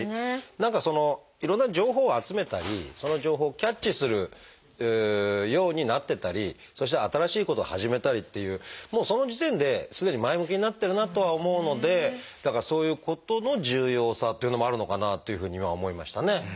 何かそのいろんな情報を集めたりその情報をキャッチするようになっていったりそして新しいことを始めたりっていうもうその時点ですでに前向きになってるなとは思うのでだからそういうことの重要さというのもあるのかなというふうに今思いましたね。